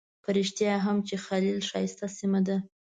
په رښتیا هم چې الخلیل ښایسته سیمه ده.